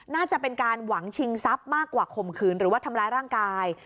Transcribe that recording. น่าจะเป็นการหวังชิงทรัพย์มากกว่าข่มขืนหรือว่าทำร้ายร่างกาย